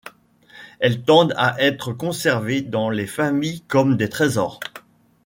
Elles tendent à être conservées dans les familles comme des trésors.